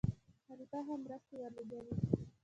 خلیفه هم مرستې ورولېږلې.